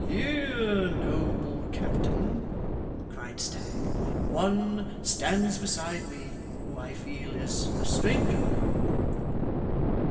'Here, noble captain!' cried Stagg. 'One stands beside me who I feel is a stranger.